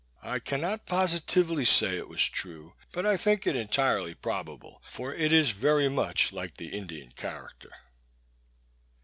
I cannot positively say it was true, but I think it entirely probable, for it is very much like the Indian character.